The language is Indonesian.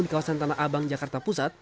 di kawasan tanah abang jakarta pusat